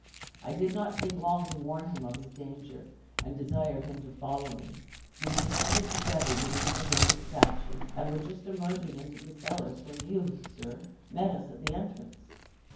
I did not take long to warn him of his danger, and desired him to follow me. We descended together beneath the holy statue, and were just emerging into the cellars when you, sir, met us at the entrance.